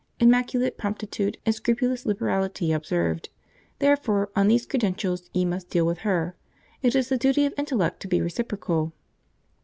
Immaculate promptitude and scrupulous liberality observed: therefore, on these credentials, ye must deal with her; it is the duty of intellect to be reciprocal.'"